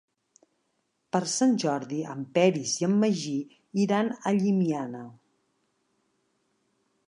Per Sant Jordi en Peris i en Magí iran a Llimiana.